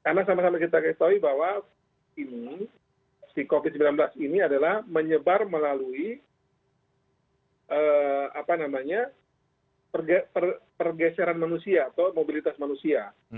karena sama sama kita harus ketahui bahwa tumbuh imun di covid sembilan belas ini adalah menyebar melalui pergeseran manusia atau mobilitas manusia